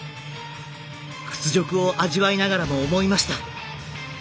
屈辱を味わいながらも思いました。